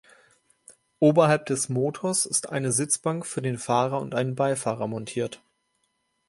Oberhalb des Motors ist eine Sitzbank für den Fahrer und einen Beifahrer montiert.